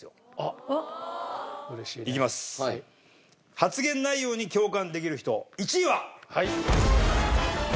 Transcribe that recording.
発言内容に共感できる人１位は。